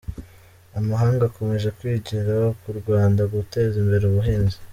Amahanga akomeje kwigira ku Rwanda ku guteza imbere ubuhinzi